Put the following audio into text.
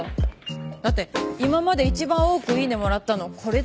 だって今まで一番多くイイネもらったのこれだよ。